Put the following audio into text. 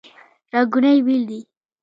رنګونه یې بیل دي.